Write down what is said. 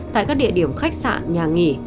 tại các địa điểm khách sạn nhà nghỉ